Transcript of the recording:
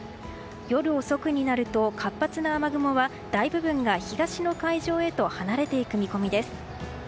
夜遅くになると活発な雨雲は、大部分が東の海上へと離れていく見込みです。